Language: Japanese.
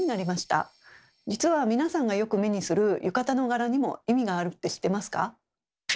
実は皆さんがよく目にする浴衣の柄にも意味があるって知ってますか？